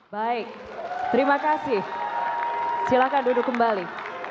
baik terima kasih silakan duduk kembali